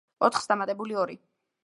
ოთხს დამატებული ორი.